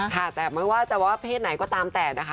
ค่ะแต่ไม่ว่าจะว่าเพศไหนก็ตามแต่นะคะ